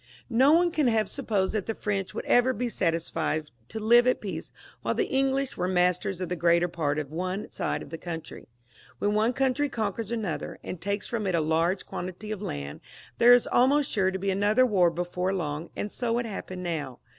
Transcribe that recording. No one can have supposed that the French would ever XXVII.] CHARLES V. {LE SAGE), 179 be. satisfied to live at peace while the English were masters of the greater part of one side of the country. When one country conquers another, and takes from it a large quan tity of land, there is almost sure to be another war before long, and so it happened now.